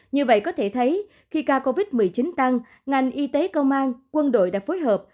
như vậy có thể thấy khi ca covid một mươi chín tăng ngành y tế công an quân đội đã phối hợp